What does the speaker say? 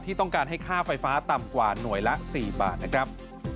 ต้องการให้ค่าไฟฟ้าต่ำกว่าหน่วยละ๔บาทนะครับ